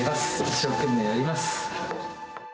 一生懸命やります。